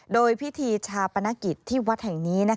โดยพิธีชาปนกิจที่วัดแห่งนี้